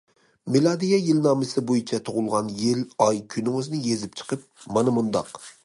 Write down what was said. مىلادىيە يىلنامىسى بويىچە تۇغۇلغان يىل ئاي كۈنىڭىزنى يېزىپ چىقىپ، مانا مۇنداق.